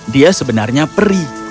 dia sebenarnya peri